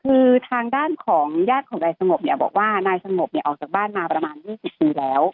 คือทางด้านของย่าสงบบอกว่านายชงกออกจากบ้านมาประมาณมือแล้ว